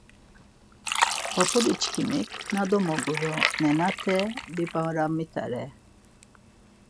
P̌ap̌uliçkimik na domoguru nenate bip̌aramitare!